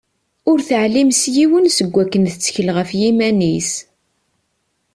Ur teɛlim s yiwen seg wakken tettkel ɣef yiman-is.